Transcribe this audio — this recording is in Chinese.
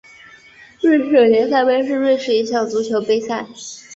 瑞士联赛杯是瑞士一项足球杯赛。